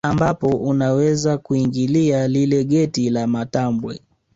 Ambapo unaweza kuingilia lile geti la matambwe